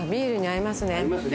合いますね。